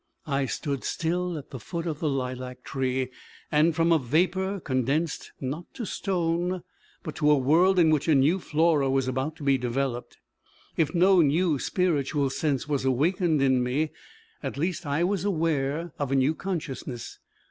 I stood still at the foot of the lilac tree, and, from a vapour, condensed, not to a stone, but to a world, in which a new Flora was about to be developed. If no new spiritual sense was awakened in me, at least I was aware of a new consciousness.